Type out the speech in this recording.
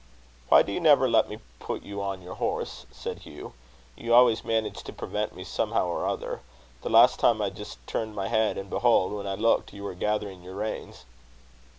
"Why do you never let me put you on your horse?" said Hugh. "You always manage to prevent me somehow or other. The last time, I just turned my head, and, behold! when I looked, you were gathering your reins."